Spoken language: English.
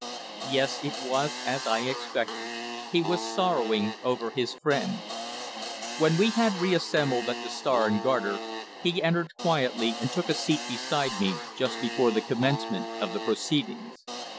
Yes, it was as I expected, he was sorrowing over his friend. When we had re assembled at the Star and Garter, he entered quietly and took a seat beside me just before the commencement of the proceedings.